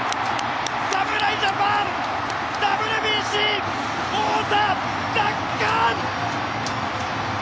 侍ジャパンＷＢＣ、王座奪還！